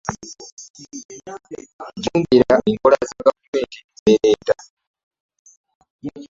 Jjumbira enkola za gavumenti z'ereeta.